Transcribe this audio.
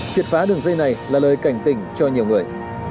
triệt phá đường dây này là lời cảnh tỉnh cho nhiều người